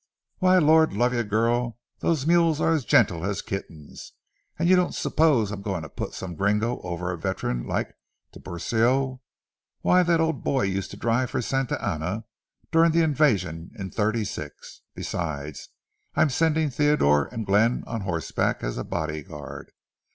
"Why, Lord love you, girl, those mules are as gentle as kittens; and you don't suppose I'm going to put some gringo over a veteran like Tiburcio. Why, that old boy used to drive for Santa Anna during the invasion in '36. Besides, I'm sending Theodore and Glenn on horseback as a bodyguard.